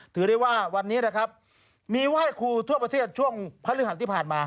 ถือได้ว่าวันนี้นะครับมีว่ายครูทั่วประเทศช่วงพระเรื่องหลังที่ผ่านมา